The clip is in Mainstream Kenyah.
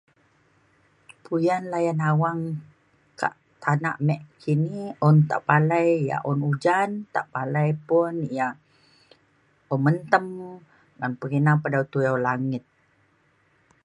puyan layan awang kak tanak me kini un tepalai yak un ujan tepalai pun yak pementem ngan pengina pe dau tuyau langit